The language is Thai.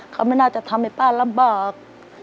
เขาไม่น่าจะทำให้ป้าลำบาก